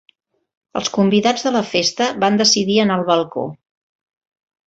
Els convidats de la festa van decidir anar al balcó.